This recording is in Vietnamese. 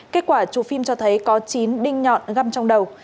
kết quả chụp phim cho thấy có chín đinh nhọn găm trong đầu